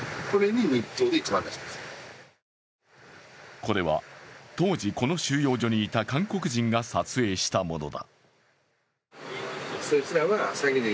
これは当時この収容所にいた韓国人が撮影したものだ。